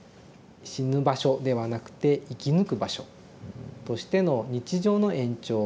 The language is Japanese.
死ぬ場所ではなくて生き抜く場所としての日常の延長。